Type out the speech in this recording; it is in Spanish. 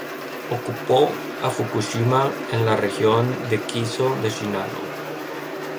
Ocupó a Fukushima en la región de Kiso de Shinano.